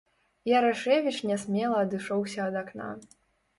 Ярашэвіч нясмела адышоўся ад акна.